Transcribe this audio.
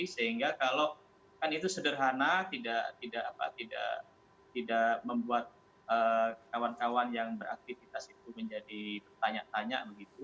sehingga kalau kan itu sederhana tidak membuat kawan kawan yang beraktivitas itu menjadi bertanya tanya begitu